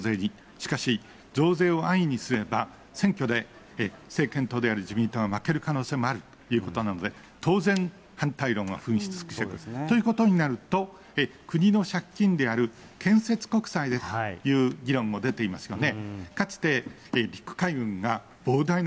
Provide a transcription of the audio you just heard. しかし増税を安易にすれば、選挙で政権党である自民党が負ける可能性もあるということなので、当然、反対論が噴出してくる、ということになると、国の借金である建設国債でという議論も出ていますよね。